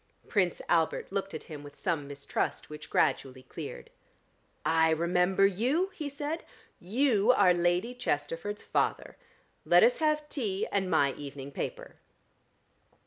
Prince Albert looked at him with some mistrust, which gradually cleared. "I remember you!" he said. "You are Lady Chesterford's father. Let us have tea and my evening paper."